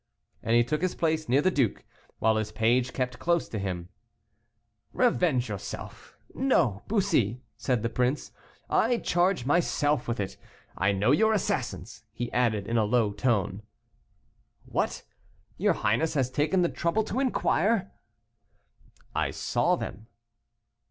And he took his place near the duke, while his page kept close to him. "Revenge yourself; no, Bussy," said the prince, "I charge myself with it. I know your assassins," added he, in a low tone. "What! your highness has taken the trouble to inquire?" "I saw them."